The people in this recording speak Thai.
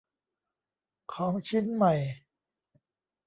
ของชิ้นใหม่